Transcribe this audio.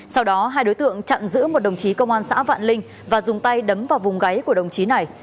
sau đó hai đối tượng chặn giữ một đồng chí công an xã vạn linh và dùng tay đấm vào vùng gáy của đồng chí này